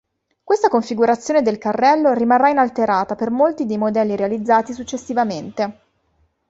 Questa configurazione del carrello rimarrà inalterata per molti dei modelli realizzati successivamente.